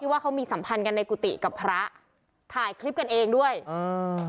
ว่าเขามีสัมพันธ์กันในกุฏิกับพระถ่ายคลิปกันเองด้วยอืม